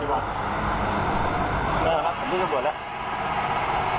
ปีบไว้ไปไหน